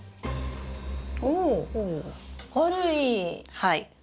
はい。